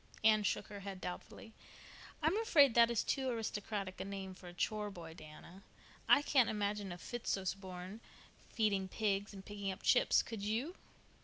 Anne shook her head doubtfully. "I'm afraid that is too aristocratic a name for a chore boy, Diana. I couldn't imagine a Fitzosborne feeding pigs and picking up chips, could you?"